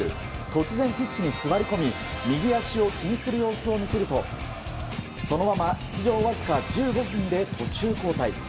突然ピッチに座り込み右足を気にする様子を見せるとそのまま出場わずか１５分で途中交代。